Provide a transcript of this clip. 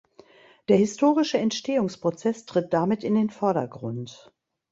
Der historische Entstehungsprozess tritt damit in den Vordergrund.